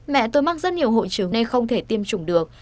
mẹ tôi mắc rất nhiều hội chứng nên không thể tiêm chủng được